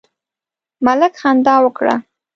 ملک خندا وکړه.